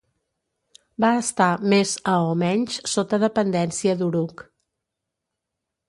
Va estar més a o menys sota dependència d'Uruk.